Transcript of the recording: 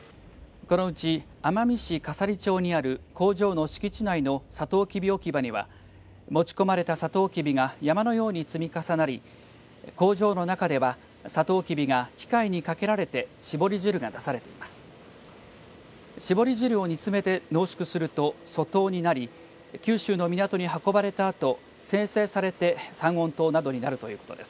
このうち奄美市笠利町にある工場の敷地内のさとうきび置き場には持ち込まれたさとうきびが山のように積み重なり工場の中ではさとうきびが機械にかけられて搾り汁が出されています。